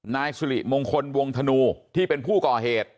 นายสุริมงคลวงธนูที่เป็นผู้ก่อเหตุ